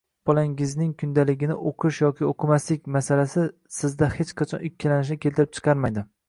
“bolangizning kundaligini o‘qish yoki o‘qimaslik” masalasi sizda hech qachon ikkilanishni keltirib chiqarmaydi.